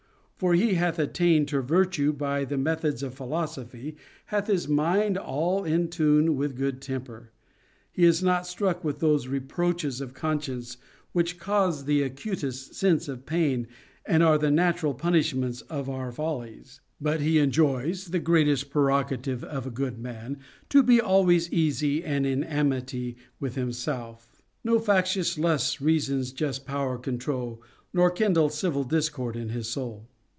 For he that hath attained to virtue by the methods of philosophy hath his mind all in tune and good temper; he is not struck with those reproaches of conscience, which cause the acutest sense of pain and are the natural punishments of our follies ; but he enjoys (the great prerogative of a good man) to be always easy and in amity with himself. No factious lusts reason's just power control, Nor kindle civil discord in his soul.